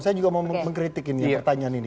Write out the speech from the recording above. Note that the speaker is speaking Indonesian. saya juga mau mengkritik ini pertanyaan ini